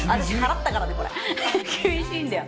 厳しいんだよ。